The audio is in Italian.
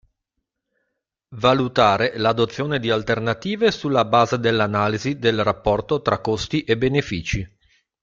Valutare l'adozione di alternative sulla base dell'analisi del rapporto tra costi e benefici.